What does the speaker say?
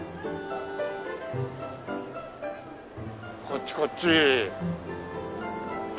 こっちこっち。